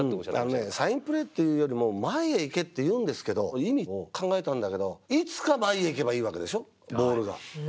あのねサインプレーっていうよりも「前へ行け！」っていうんですけど意味を考えたんだけどいつか前へ行けばいいわけでしょボールが。